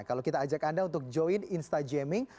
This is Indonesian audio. kalau kita ajak anda untuk join instajaming